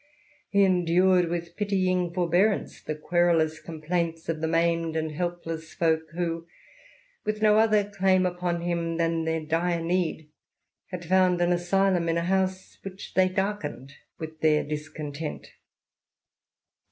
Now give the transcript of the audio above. He endured with pitying forbearance the querulous complaints of the maimed and helpless folk who, with no other claim BQ him than their dire need, had found an asylum in nise, which they darkened with their discontent.